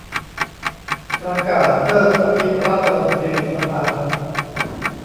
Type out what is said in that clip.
ประกาศเลิกอภิรัฐมนตรีสภา